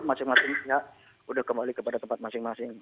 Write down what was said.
masing masingnya sudah kembali kepada tempat masing masing